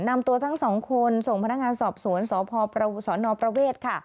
นำตัวทั้ง๒คนส่งพนักงานสอบสวนสพสนประเวท